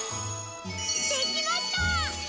できました！